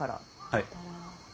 はい。